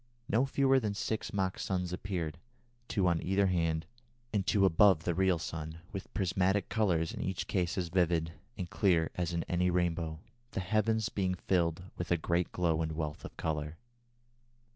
No fewer than six mock suns appeared, two on either hand and two above the real sun, with prismatic colours in each case as vivid, and clear as in any rainbow, the heavens being filled with a great glow and wealth of colour."